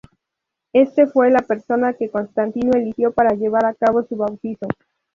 Éste fue la persona que Constantino eligió para llevar a cabo su bautizo.